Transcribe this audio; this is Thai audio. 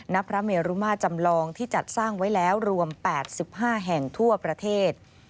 ณพระเมรุมาจำลองที่จัดสร้างไว้แล้วรวม๘๕แห่งทั่วประเทศ